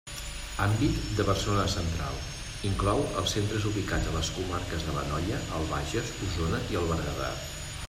Àmbit de Barcelona Central: inclou els centres ubicats a les comarques de l'Anoia, el Bages, Osona i el Berguedà.